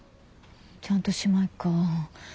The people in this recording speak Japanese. ちゃんと姉妹か。